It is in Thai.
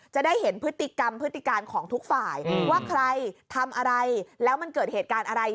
จะได้เห็นพฤติกรรมพฤติการของทุกฝ่ายว่าใครทำอะไรแล้วมันเกิดเหตุการณ์อะไร